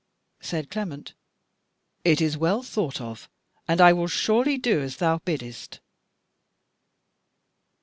Said Clement: "It is well thought of, and I will surely do as thou biddest."